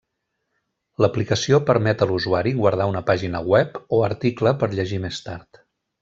L'aplicació permet a l'usuari guardar una pàgina web o article per llegir més tard.